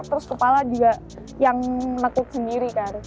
terus kepala juga yang nekuk sendiri kan